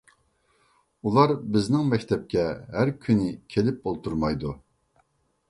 ئۇلار بىزنىڭ مەكتەپكە ھەر كۈنى كېلىپ ئولتۇرمايدۇ.